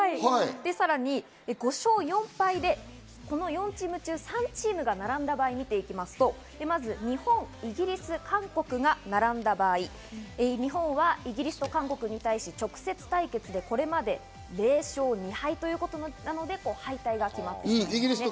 さらに５勝４敗でこの４チーム中３チームが並んだ場合を見ていきますと、まず、日本、イギリス、韓国が並んだ場合、日本はイギリスと韓国に対し直接対決でこれまで０勝２敗なので敗退が決まります。